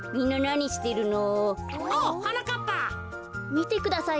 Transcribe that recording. みてください